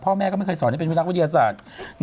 พ่อแม่ก็ไม่เคยสอนให้เป็นวินักวิทยาศาสตร์